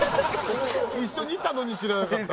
一緒にいたのに知らなかった。